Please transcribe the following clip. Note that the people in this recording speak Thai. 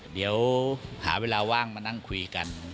เดี๋ยวหาเวลาว่างมานั่งคุยกัน